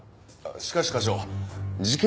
しかし課長事件